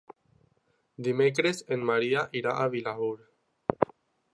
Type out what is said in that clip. Dimecres en Maria irà a Vilaür.